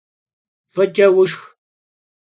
F'ıç'e vuşşx!